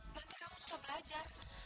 nanti kamu susah belajar